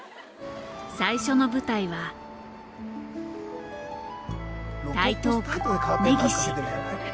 最初の舞台は台東区根岸。